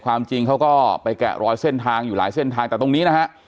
ความจริงเขาก็ไปแกะรอยเส้นทางอยู่หลายเส้นทางแต่ตรงนี้นะฮะ